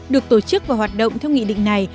được tổ chức và hoạt động theo nghị định này